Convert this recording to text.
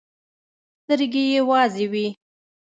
سترګې يې وازې وې.